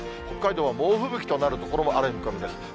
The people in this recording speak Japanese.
北海道は猛吹雪となる所もある見込みです。